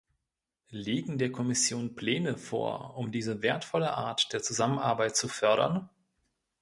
Liegen der Kommission Pläne vor, um diese wertvolle Art der Zusammenarbeit zu fördern?